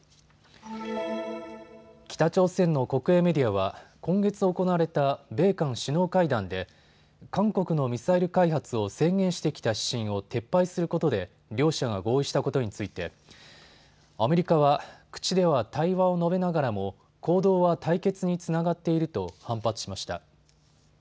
北朝鮮の国営メディアは今月行われた米韓首脳会談で韓国のミサイル開発を制限してきた指針を撤廃することで両者が合意したことについて、アメリカは口では対話を述べながらも行動は対決につながっていると反発しました。